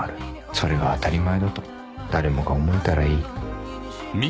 「それが当たり前だと誰もが思えたらいい」